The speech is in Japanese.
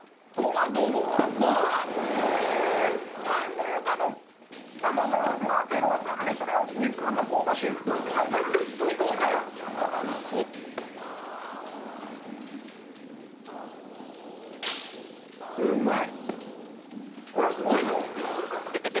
トマトの甘さがふわっと広がってそれを肉の香ばしい風味が全部包み込んでおいしいあうまい！